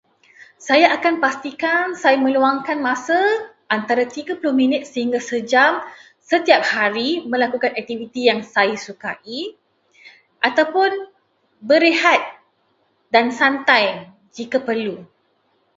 Saya akan pastikan saya meluangkan masa antara tiga puluh minit sehingga sejam setiap hari melakukan aktiviti yang saya sukai. Ataupun berehat dan santai jika perlu.